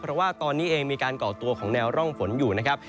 เพราะว่าตอนนี้เองมีการก่อตัวของแนวร่องฝนอยู่นะครับ